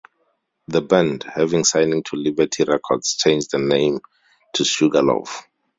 The band, having signing to Liberty Records, changed the name to Sugarloaf.